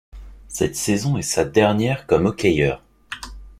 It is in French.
Cette saison est sa dernière comme hockeyeur.